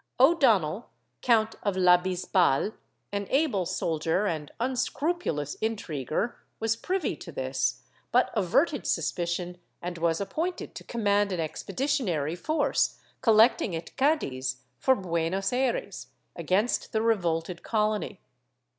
O'Donnell, Count of la Bisbal, an able soldier and unscrupulous intriguer, was privy to this, but averted suspicion and was appointed to command an expedi tionary force collecting at Cadiz for Buenos Ayres, against the revolted colony.